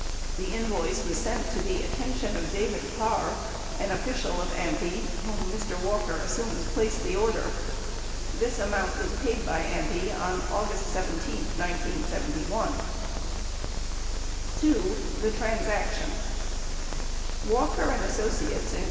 The invoice was sent to the attention of David Parr, an official of AMPI whom Mr. Walker assumes placed the order. This amount was paid by AMPI on August 17, 1971. 2. the transaction Walker and Associates, Inc.